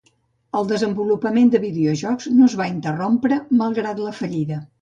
El desenvolupament de videojocs no es va interrompre malgrat la fallida.